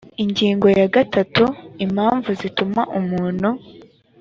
ingingo ya gatatu impamvu zituma umuntu